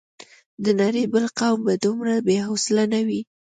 د نړۍ بل قوم به دومره بې حوصلې نه وي.